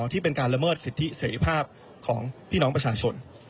ที่เป็นการละเมิดสิทธิเสรีภาพของพี่น้องประชาชน